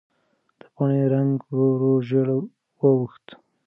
د پاڼې رنګ ورو ورو ژېړ واوښت.